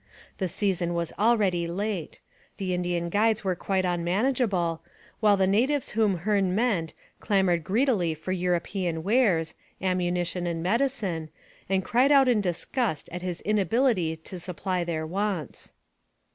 The season was already late: the Indian guides were quite unmanageable, while the natives whom Hearne met clamoured greedily for European wares, ammunition and medicine, and cried out in disgust at his inability to supply their wants.